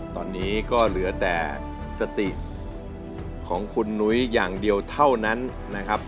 ตอนนี้ก็เหลือแต่สติของคุณหนุ้ยอย่างเดียวเท่านั้นนะครับ